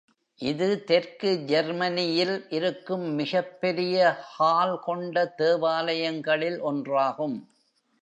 இது தெற்கு ஜெர்மனியில் இருக்கும் மிகப்பெரிய ஹால் கொண்ட தேவாலயங்களில் ஒன்றாகும்.